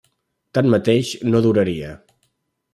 Tanmateix, no duraria.